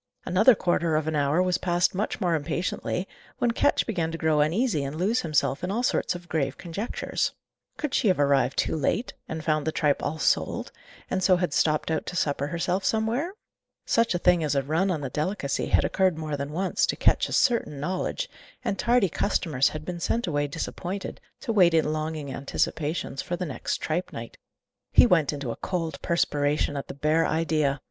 Another quarter of an hour was passed much more impatiently, when Ketch began to grow uneasy and lose himself in all sorts of grave conjectures. Could she have arrived too late, and found the tripe all sold, and so had stopped out to supper herself somewhere? Such a thing as a run on the delicacy had occurred more than once, to Ketch's certain knowledge, and tardy customers had been sent away disappointed, to wait in longing anticipations for the next tripe night. He went into a cold perspiration at the bare idea.